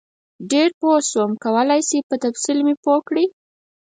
ډېر پوه شم کولای شئ په تفصیل مې پوه کړئ؟